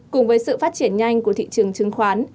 cùng với sự phát triển nhanh của thị trường chứng khoán